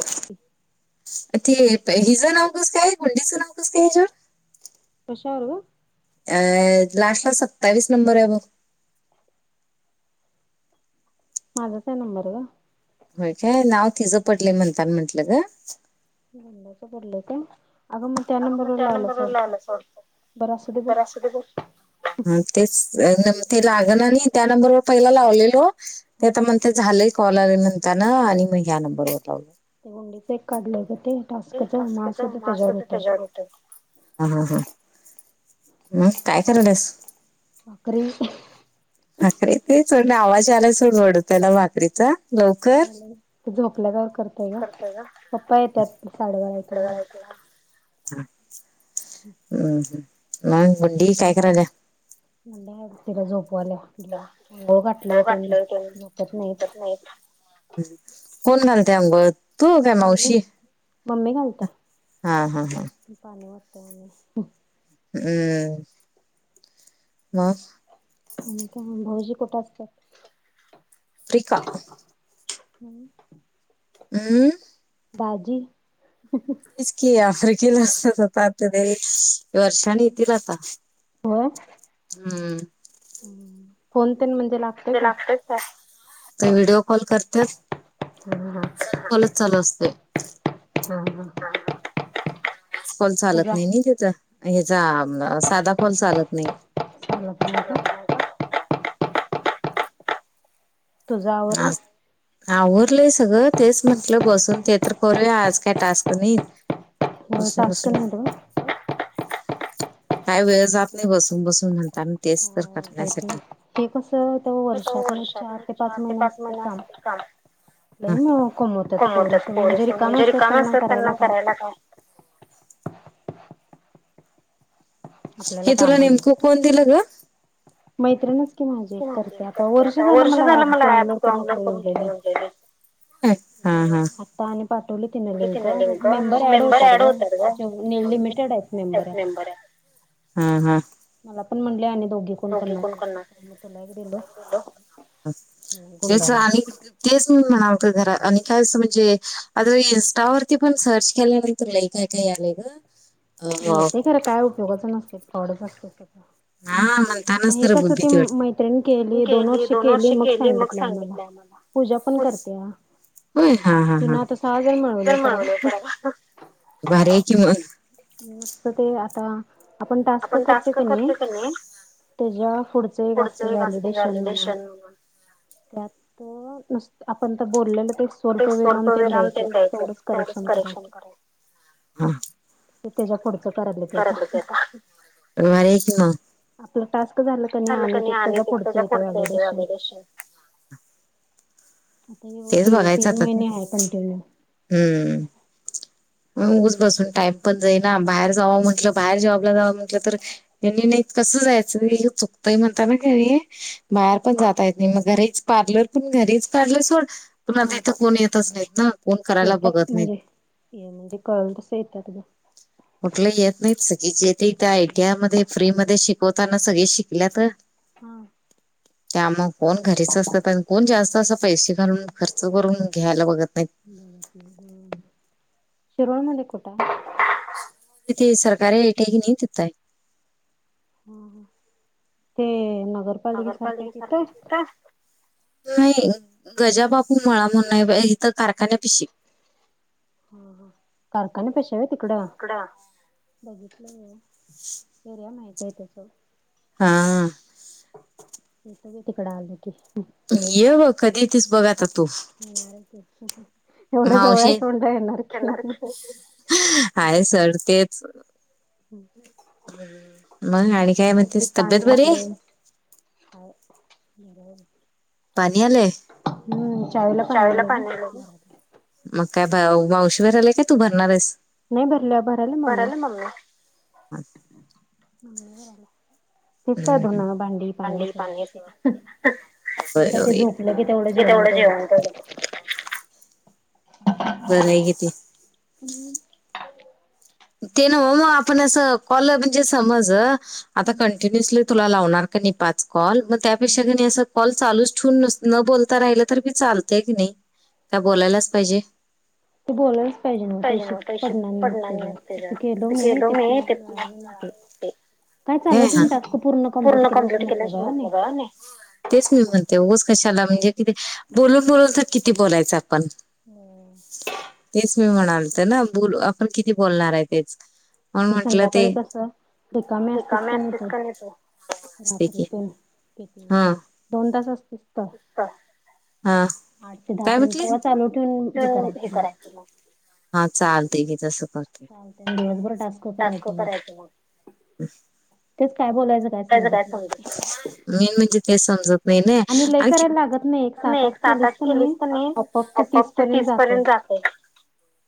[unintelligible] ते हिज नाव कस काय, गुंडीचं नाव कसं काय हिज्यावर? कशावर गं? अ लास्ट ला सत्तावीस नंबर आहे बघ. माझाच आहे नंबर ग. होय काय? नाव तिझं पडलंय म्हणताना म्हंटलं ग. गुंड्याच भरलवतं. अगं मग त्या नंबरवर लावलास वाटतं. बरं असू दे बोल. कुठं जाऊ? हं तेच ते लागना नाही त्या नंबरवर पहिला लावलेलो. ते आता म्हणत्यात झालंय कॉल आल्या नंतर ना आणि मग ह्या नंबरवर लावलं. ते गुंडीचं एक काढलं होतं ते टास्कच मग असुदे त्याच्यावर होतंय ते. हम्म हम्म हम्म. मग काय करायल्यास? भाकरी भाकरी ते सोड आवाज यालाय सोड बडवत्याल भाकरीचा. करायला ते झोपल्यागत करतंय ग. पप्पा येत्यात साडे बारा एकला. हं हम्म हम्म‌. मग गुंडी काय करायल्या? म्हणलं आधी तिला झोपवाय लागतंय लगीच आंघोळ घातल्याशिवाय झोपत नाही ती. कोण घालतंय आंघोळ? तू काय मावशी? हा हा हा. पाणी वततोय मी. हम्म मग. आणि काय मग भाऊजी कुठे असतात? [unintelligible] म्हणून उम्म बाजी तेच की आफ्रिकेला असतात आता ते ही. होय कोणत म्हणजे लाग गत का ते व्हिडओ कॉल करते. हां हा. कॉलेज चालू असते. हा हा. फोन चालत नाही ना तिथं आणि ह्याचा साधा फोन चालत नाही. सुमित नई का? तुझा आवरलं? आवरलंय सगळं तेच म्हंटलं बसून ते तर करूया आज काय टास्क नाही. होय टास्क म्हणतो मी. काय वेत जात नाही बसून बसून म्हणताना तेच तर करण्यासाठी, ते कवा वर्षातन. चार ते पाच महिना असतं काम. कमोवतेत पोरे से म्हणजे रिकाम असतात त्यांना करायला काय. हे तुला नेमकं कोण दिलं गं? मैत्रिणच की माझी करते आता वर्ष झालं मला ऍप डाउनलोड करून ठेवूनलेले ते आता आणि पाठवली तिनं लिंक मेंबर ऍड होतात गं. नी लिमिटेड आहेत मेंबर या. हां हां. मला पण म्हणले आणि दोघे कोण करणार [inaudible] म तुला एक दिलो गुंड्याला तेच मी म्हणालत घर आणि कायं म्हणजे आता इन्स्टावरती पण सर्च केलं नाही. तुला ही काय काय यालेय गं. येतय खरं काय उपयोगाचं नसते फाऊडच असते सगळं. आम्हाल मग हे कसं ती मैत्रिणी केली दोन वर्ष केली मग सांगितलं आम्हाला. पूजा पण करते ओ. होय हा हा हा भारी हाय की मग. मस्त ते आता आपण टास्क करतो का नाही त्याच्या पुढचे एक असते व्हॅलिडेशन म्हणून. त्यात तर नुस्त आपण तर बोललेलं तेच तेच स्वल्प विराम तेन द्यायच तेवढच करेक्शन करायचे हा. की त्याज्या पुढं [unintelligible] ची म. आपलं टास्क झालं क नी आणि त्याच्या पुढचा येते व्हॅलिडेशन. आता हे होती तीन महिने आहे कंटिन्यू. हम्म. मग उगच बसून टाईम पण जाईना बाहेर जावं म्हटलं बाहेर जॉबला जावं म्हटलं तर त्यांनी नाहीत कसं जायचं हे युक चुकतंय म्हणता ना का हे बाहेर पण जाता येत नाही मग घरीच पार्लर पण घरीच पार्लर सोड पण आता इथं कोण येतच नाहीत ना कोण करायला बघत नाहीत. ये म्हणजे कळल तसं येतात अदा. कुठलंही येत नाहीत सगळीच येते इथं आय टी आय मध्ये फ्री मध्ये शिकवताना सगळे शिकल्यात. हा. [unintelligible] त्यामुळे कोण घरीच असतात अग आणि कोण जास्त असं पैसे घालून खर्च करून घ्यायला बघत नाहीत. शिरोळनळी कुठंय? ती सरकारे हेटक न तित आहेय. ह ह ते नगर नगरपालिके सारखची का असत. नाही गजा बापू मळा म्हणून हाय बाई इथं कारखान्यापाशी. हम्म, कारखान्यापाशी आहे व्हय तिकडं? हीकड. बघितलं एर्या माहित आहे त्याच. [unintelligible] हा. येतो की तिकड, आलो की. ये बघ कधी येतेस बघ आता तू. येणार एवढं जोळयच कोंता येणार की. आहे सोड ते. मग आणि काय म्हणतीस तब्येत बरी आहे? [inaudible] [unintelligible] पाणी आलंय? हम्म चावीला पाणी आलय ग. मग काय माऊशीभ भरालेय का तू भरणारस? नाही भरल्या भरायला मम्मी. तेच काय धुणं भांडी पाणी सगळं केलं. मग काय ते झोपलं की तेवढं जेवन तेवढंच. बरं आहे कि ती. हम्म. ते नव म मग आपण असं कॉल म्हणजे समज आता टिन्युअसली तुला लावणार का नाही पाच कॉल मग त्यापेक्षा क अस कॉल चालूच ठेवून न बोलता राहिलं तरी चालतय की नाही? त्या बोलायलाच पाहिजे. तू बोलायलाच पाहिजे ना म पैसे पडणार नाही त्याच्यावर. तस केलो मी ते मला नाही ते. काय चालू ठेवून टास्क पूर्ण कम्प्लीट केल्याशि मतलब आहे होय नि? तेच मी म्हणते उगच कशाला म्हणजे किती बोलून बोलून तर किती बोलायचं आपण? हम्म. तेच मी म्हणाल तर ना बोल आपण किती बोलणार आहे तेच. आता संध्याकाळी कसं रिकामीे असतेस का नाही तू रात्रीतून एक मिनिट, दोन तास असतीस तर. आठ ते दहा पर्यंत ब चालू ठेवून हे करायचं मग. हा चालते की तसं पण. आणि त्यानं दिवसभर टास्क. टास्क करायच मग. तेच काय बोलायचं कायच. काय समत मेन म्हणजे तेच समजत नाही ना. नाही सात आठ केलीस तर नाही आप्प ते तीस पर्यंत जात ते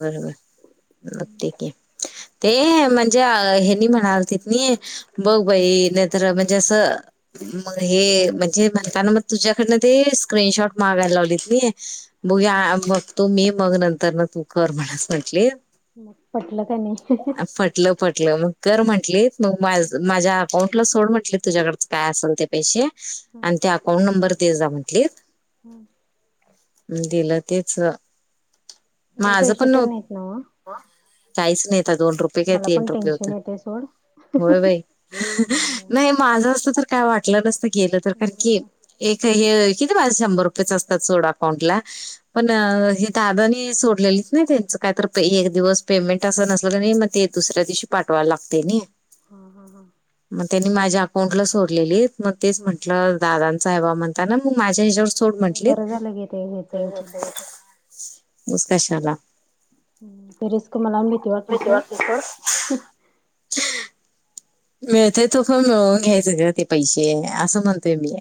बर बर रग ते म्हणजे हेनी म्हणाल त नि. बघ बाई नई तर म्हणजे असं. मग हे म्हणजे म्हणताना मग तुझ्याकडनं ते स्क्रीनशॉट मागायला लावलीत ती. बघ मग तू मी मग नंतर ना तू कर म्हणस म्हटली. मग पटलं का नाही? फटलं पटलं कर म्हटलीत, मग माझ माझ्या अकाउंटला सोड म्हटल, तुझ्याकडच काय असेल ते पैसे. आणि ते अकाउंट नंबर देजा म्हंटलीत. हम्म. दिलं तेच, लय पैसे तेण नाहीत नवं. काहीच नाही आता दोन रुपये काय, तीन रुपये होत होय बाई नाही. माझं असं तर काय वाटलं, नसतं गेलं तर कारण की. एक हे किती बाय शंभर रुपयेच असतात सोडा अकाउंट ला पण हे दादांनी सोडलेलीच तेचं, काय तरी एक दिवस. पेमेंट असं नसलं कणी, मग ते दुसऱ्या दिवशी पाठवायला लागते नी. हा हा हा. त्यांनी माझ्या अकाउंट ला सोडलेलीत, मग तेच म्हटलं दादांचा हाय बा म्हणताना, मग माझ्या हेच्यावर. सोड म्हंटलीत, उगाच कशाला. रिस्क मला मि भिती वाटते सोड. मिळतय तो खाऊन मिळून घ्यायचं ग पैसे असं म्हणतोय मी.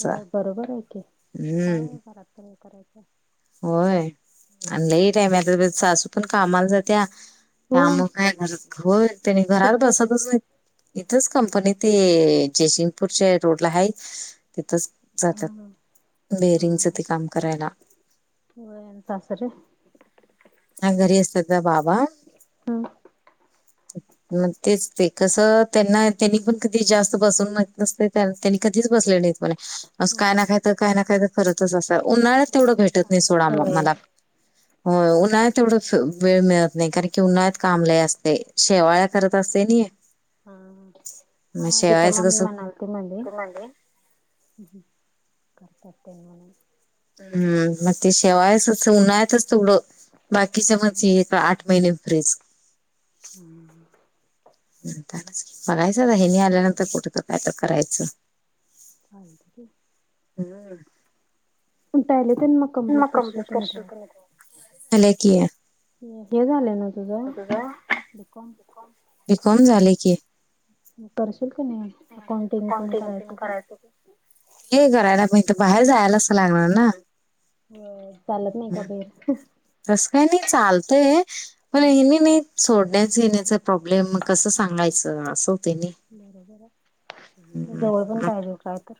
होय बरोबर आहे की, काय आहे घरात पण करायचं. होय आणि लई टाईम आहे आता ब सासू पण कामाला जात्या. त्यामुळं काय [unintelligible] हो त्यानी घरात बसतच नाही. इथंच कंपनी ते, जयसिंगपूरचे रोडला आहे तिथंच. जातात. बेरिंगच ते काम करायला. होय. सासरे, हा घरी असतात त्या बाबा. हम्म. [unintelligible] मग तेच ते कस त्यांना त्यांनी, पण कधी जास्त बसून माहित नसते त्यांनी कधीच बसले नाहीत. असं काय ना काय तर काय ना काय तर करतच असतात, उन्हाळ्यात तेवढं भेटत नाही सोडा मग मला. होय. उन्हाळ्यात एवढंच वेळ मिळत नाही, कारण की उन्हाळ्यात काम लय असतंय शेवाळ्यात. हा हा. गीता मामी म्हणालती म्हणली. हं. करतात तेन्ही म्हणून. हम्म. मग ते शेवाळ्याच उन्हाळ्यातच तेवढं, बाकीच्या मग चे आठ महिने. फ्रिज. हम्म.. म्हणतानाच की बघायचं हेनी, आल्यानंतर कुठे तरी काय तरी करायचं. चालते की, उटायले तेन मगं. मग कंप्लीट करशील कणी केले की. हे झालंय ना, तुझं बी. कॉम. बी. कॉम झाले की, मग करशील कणी, अकाउंटिंग तेन करायचं गं. हे करायला पण ते बाहेर जायलाच असं लागणार ना. व्हय. मी कबीर. तस काय नाही चालतंय. बहिनी नाहीत सोडण्याच, येण्याचा प्रॉब्लेम कसं सांगायचं असं होतंय नी. जवळ पण पाहिले होता काय?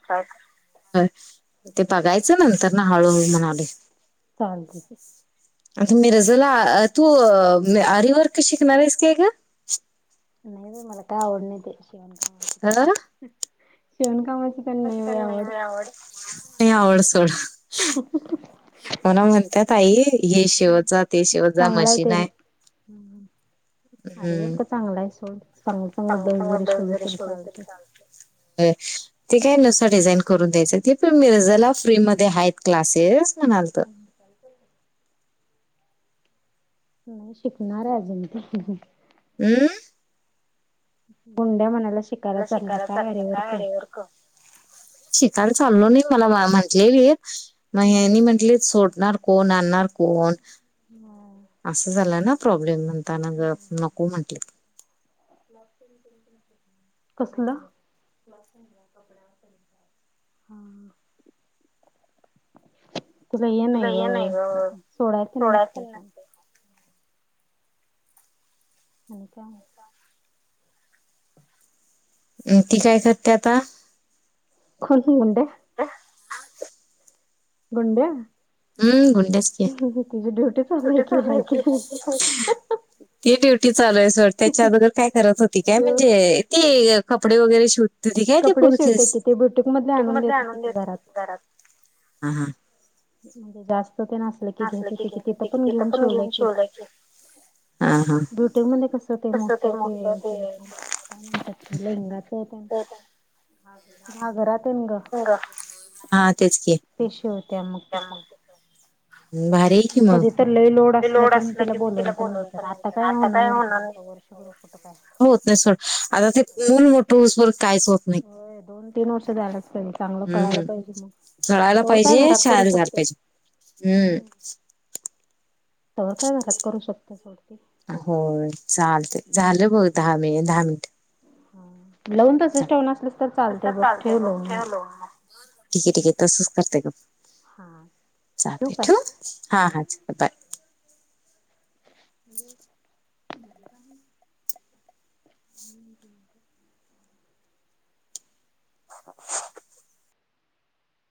ते बघायचं नंतर ना हळूहळू म्हणाले. चालतंय की. असं मिरजेला तू, आरिवर्क शिकणार आहेस काय गं. नाही नाही मला काय आवड नाही ते, शिवणकामाची तेच शेवणकामाची. आवड नाही सोड. [inaudible] त्यांना म्हण त्यात आई हे शिवतचा ते शिवतचा मशीन आहे. हम्म हम्म. हम्म चांगला चांगला ब्लाउज जरी शिवलं तरी चालतंय. [unintelligible] ते काय नुसतं डिझाईन करून द्यायचं, ते पण मिरजला फ्रीमध्ये आहेत क्लासेस म्हणालतं. चालतंय काय? नाही शिकणार आहे अजून ती. अं? गुंड्या म्हणाला शिकाला चालल्यात काय आरीवर्क. शिकायला चाललो नाही मला म्हंटलेली. नाही ह्यांनी म्हटलीत, सोडणार कोण आणणार कोण? हम्म. असं झालं ना प्रॉब्लेम म्हणताना गप नको म्हटलं. कसलं? हा. [unintelligible] तुला ये नाही ग सोडायला तेन नसतंय कोण. आणि काय मग? अं ती काय करत्या आता? [unintelligible] गुंड्या. हम्म गुंड्याच की. कुठे चालू आहे ते [unintelligible] ती ड्युटी चालू आहे सोड. त्याच्या अगोदर काय करत होती काय म्हणजे ती कपडे वगैरे शिव [unintelligible] हा हा. म्हणजे जास्त तेन असलं की घेत होते की, तिथं पण घेऊन शिवलंय की. ब्युटिकमध्ये कसं ते मोठं ते हे तेन काय म्हणतात लेहंगाचे तेन घागरा तेन ग. हा तेच की. ती शिवत्या मग तिथं. हं भारी ये की मग. ते लोड असला की नाही तिला बोलवून पण घेतात आता काय होणार नाही तीला. [unintelligible] कुठं काय? होत नाही सोड. आता ते पूल मोठं होस्तोवर काहीच होत नाही. तीन वष झालं चांगलं कळायला पाहिजे की मग. तवर काय घरात करू शकतोय. हम्म. तर काय घरात करू शकते सोडती हो चालतंय झालं बघ दहा म दहा मिनिटं. हा. लवून तसंच ठेवणार असलीस तर चालतंय बघ ठेव लावून मग. ठीक आहे ठीक आहे तसच करते गप, चालतंय ठेऊ? हा हा चल बाय. [inaudible] हम्म. [inaudible]